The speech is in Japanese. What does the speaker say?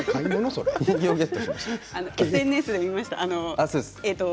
ＳＮＳで見ました。